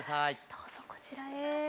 どうぞこちらへ。